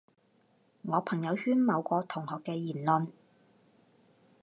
我朋友圈某個同學嘅言論